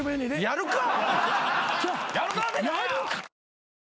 やるか！